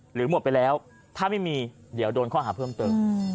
หมดไปแล้วถ้าไม่มีเดี๋ยวโดนข้อหาเพิ่มเติม